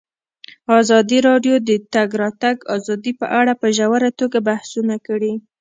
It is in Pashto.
ازادي راډیو د د تګ راتګ ازادي په اړه په ژوره توګه بحثونه کړي.